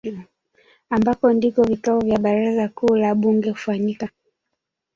ambako ndiko vikao vya baraza kuu la bunge hufanyika